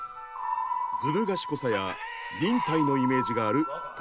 ずる賢さや忍耐のイメージがある徳川家康。